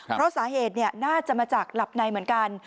เพราะสาเหตุน่าจะมาจากหลับในเหมือนกัน